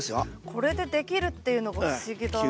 これでできるっていうのが不思議だなあ。